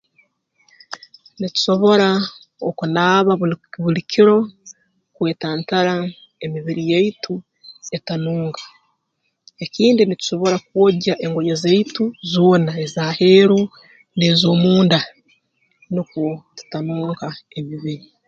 Nitusobora okunaaba buli buli kiro kwetantara emibiri yaitu etanunka ekindi nitusobora kwogya engoye zaitu zoona ez'aheeru n'ez'omunda nukwo tutanunka emibiri